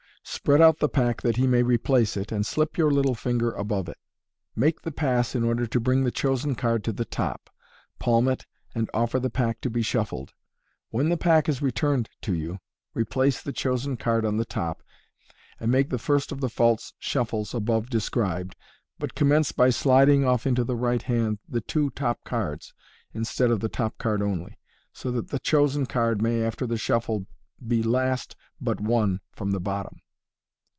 Spread out the pack that he may replace it, and slip your little finger aDove it Make the pass in order to bring the chosen card to the top ; palm it, and offer the pack to be shuffled. When the pack is returned to you, replace the chosen card on the top, and make the first of the false shuffles above described, but commence by sliding off into the right hand the two top cards (instead of the top card only), so that the chosen card may, after the shuffle, be last but one from the bottom.